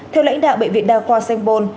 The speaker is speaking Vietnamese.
theo lãnh đạo bệnh viện đa khoa sanh pôn